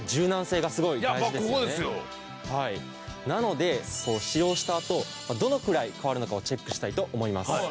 なので使用したあとどのくらい変わるのかをチェックしたいと思います。